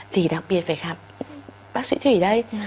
thì đặc biệt phải khám bác sĩ thủy đây